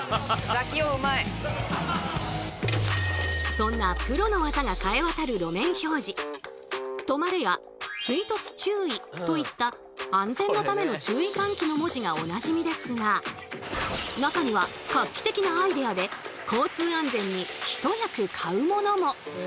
そんな「止まれ」や「追突注意」といった安全のための注意喚起の文字がおなじみですが中には画期的なアイデアで交通安全にひと役買うものも！